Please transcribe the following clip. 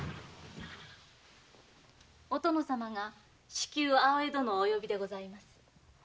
お殿様が至急青江殿をお呼びでございます。